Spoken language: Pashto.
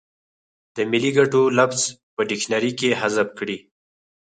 د ملي ګټو لفظ په ډکشنري کې حذف کړي.